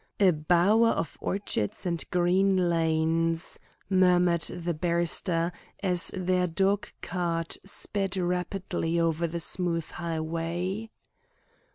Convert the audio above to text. "A bower of orchards and green lanes," murmured the barrister as their dog cart sped rapidly over the smooth highway.